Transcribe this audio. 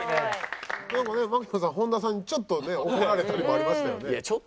なんかね槙野さん本田さんにちょっとね怒られたりもありましたよね。